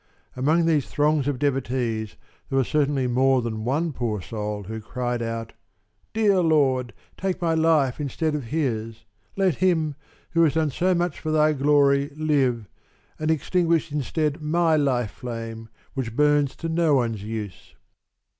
Among these throngs of devotees there was certainly more than one poor soul who cried out: "Dear Lord, take my life instead of his! Let him, who has done so much for Thy glory, live, and extinguish instead my life flame, which burns to no one's use!"